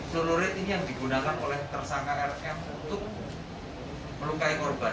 celurit ini yang digunakan oleh tersangka rkm untuk melukai korban